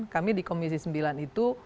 kami di komisi sembilan itu